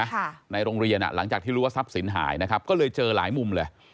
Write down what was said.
ค่ะในโรงเรียนอ่ะหลังจากที่รู้ว่าทรัพย์สินหายนะครับก็เลยเจอหลายมุมเลย